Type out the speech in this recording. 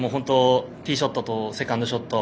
ティーショットとセカンドショット。